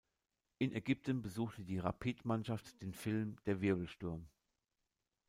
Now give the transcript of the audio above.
In Ägypten besuchte die Rapid-Mannschaft den Film „Der Wirbelsturm“.